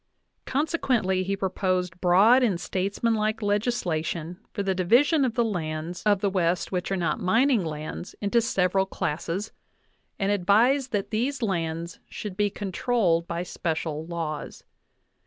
Consequently he proposed broad and statesmanlike legislation for the division of the lands of the 45 NATION AL ACADEMY BIOGRAPHICAL MEMOIRS VOL. VIII West which are not mining lands into several classes, and ad vised that these lands should be controlled by special laws.